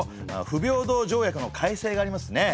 不平等条約の改正がありますね。